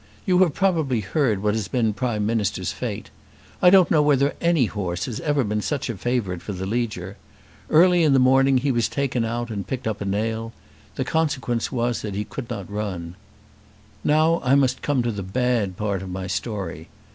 You have probably heard what has been Prime Minister's fate. I don't know whether any horse has ever been such a favourite for the Leger. Early in the morning he was taken out and picked up a nail. The consequence was he could not run. Now I must come to the bad part of my story.